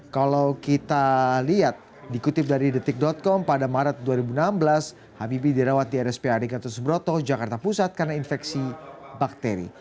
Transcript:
kalau kita lihat dikutip dari detik com pada maret dua ribu enam belas habibie dirawat di rspad gatot subroto jakarta pusat karena infeksi bakteri